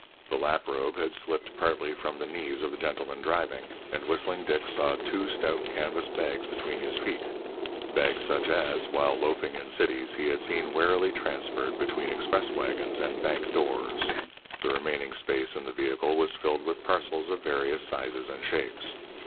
The lap robe had slipped partly from the knees of the gentleman driving, and Whistling Dick saw two stout canvas bags between his feet bags such as, while loafing in cities, he had seen warily transferred between express waggons and bank doors. The remaining space in the vehicle was filled with parcels of various sizes and shapes.